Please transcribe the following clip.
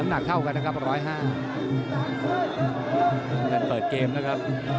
มันออกนาบโบว่าใช้ได้เลยนะครับ